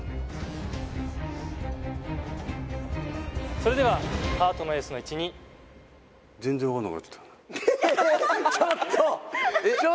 それではハートのエースの位置にちょっと！